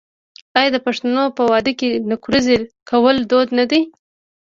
آیا د پښتنو په واده کې نکریزې کول دود نه دی؟